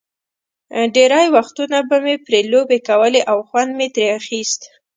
ډېری وختونه به مې پرې لوبې کولې او خوند مې ترې اخیست.